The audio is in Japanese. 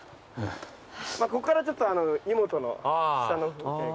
ここからちょっと湯本の下の風景が。